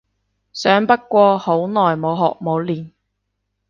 想不過好耐冇學冇練